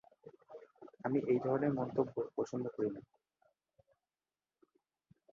আমি এই ধরণের মন্তব্য পছন্দ করি না।